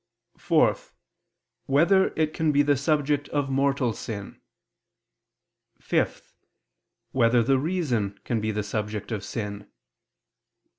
(4) Whether it can be the subject of mortal sin? (5) Whether the reason can be the subject of sin?